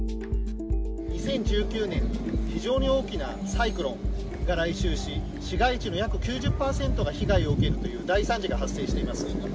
２０１９年に、非常に大きなサイクロンが来襲し、市街地の約９０％が被害を受けるという大惨事が発生しています。